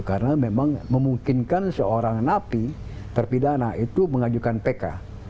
karena memang memungkinkan seorang napi terpidana itu mengajukan pk